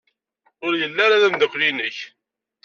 Ur yelli ara d ameddakel-nnek?